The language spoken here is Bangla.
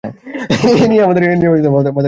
এ নিয়ে আমাদের কাজ করতে হবে।